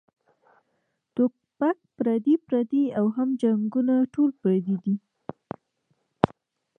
ټوپک پردے پردے او هم جنګــــونه ټول پردي دي